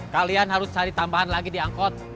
kalian harus cari tambahan lagi di angkot